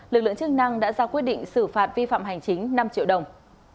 lực lượng chức năng đã ra quyết định xử phạt vi phạm hành chính năm triệu đồng